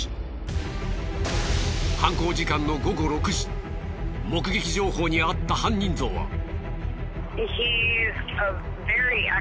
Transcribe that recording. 犯行時間の午後６時目撃情報にあった犯人像は。